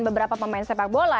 beberapa pemain sepak bola